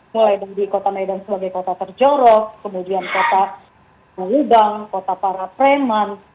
mulai dari kota medan sebagai kota terjorok kemudian kota melubang kota para preman